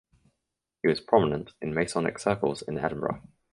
He was prominent in Masonic circles in Edinburgh.